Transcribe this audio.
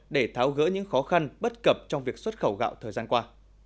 để tháo gỡ những khó khăn bất cập trong việc xuất khẩu gạo thời gian qua